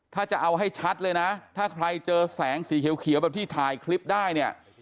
ถ้าจะเอาให้ชัดเลยนะถ้าใครเจอแสงสีเขียวแบบที่ถ่ายคลิปได้เนี่ย